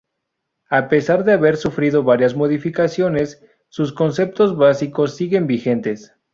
A pesar de haber sufrido varias modificaciones, sus conceptos básicos siguen vigentes.